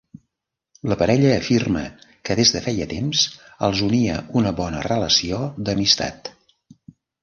La parella afirma que des de feia temps els unia una bona relació d'amistat.